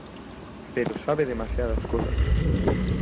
pero sabe demasiadas cosas.